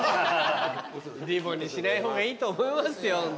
リボにしない方がいいと思いますよ。